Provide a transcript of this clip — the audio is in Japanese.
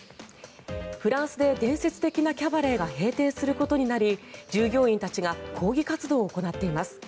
フランスで伝説的なキャバレーが閉店することになり従業員たちが抗議活動を行っています。